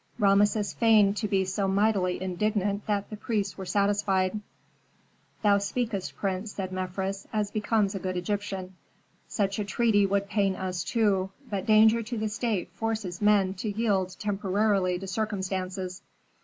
Rameses feigned to be so mightily indignant that the priests were satisfied. "Thou speakest, prince," said Mefres, "as becomes a good Egyptian. Such a treaty would pain us, too; but danger to the state forces men to yield temporarily to circumstances."